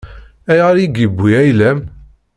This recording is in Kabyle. Ayɣer i yewwi ayla-m?